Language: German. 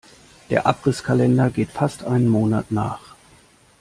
Der Abrisskalender geht fast einen Monat nach.